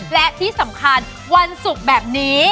และที่สำคัญวันศุกร์แบบนี้